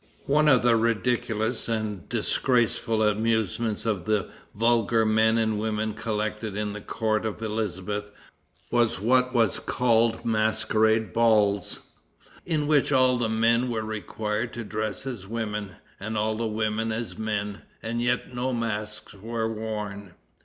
One of the ridiculous and disgraceful amusements of the vulgar men and women collected in the court of Elizabeth, was what was called masquerade balls, in which all the men were required to dress as women, and all the women as men, and yet no masks were worn.